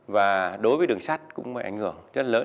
và đối với đường sắt cũng ảnh hưởng rất lớn